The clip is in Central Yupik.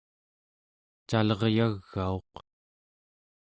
caleryagauq